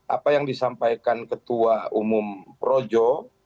apa yang disampaikan ketua umum projo